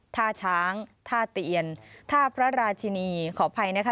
ท่าช้างท่าเตียนท่าพระราชินีขออภัยนะคะ